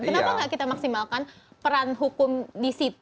kenapa tidak kita maksimalkan peran hukum di sisi lgbt